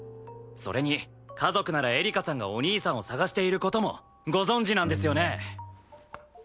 それに家族ならエリカさんがお兄さんを捜している事もご存じなんですよね？